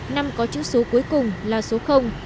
năm có chữ số cuối cùng là số